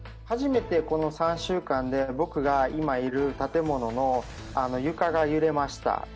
初めてこの３週間で、僕が今いる建物の床が揺れました。